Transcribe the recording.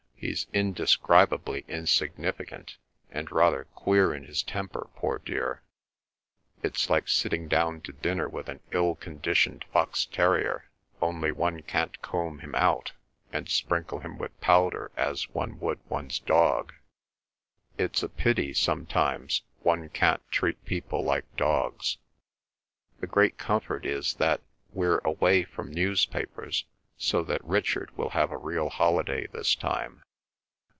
He's indescribably insignificant, and rather queer in his temper, poor dear. It's like sitting down to dinner with an ill conditioned fox terrier, only one can't comb him out, and sprinkle him with powder, as one would one's dog. It's a pity, sometimes, one can't treat people like dogs! The great comfort is that we're away from newspapers, so that Richard will have a real holiday this time.